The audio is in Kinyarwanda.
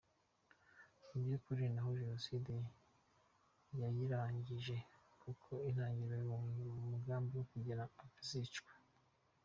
Mu by’ukuri, ni hano Jenoside yayirangije kuko itangirira mu mugambi wo kugena abazicwa.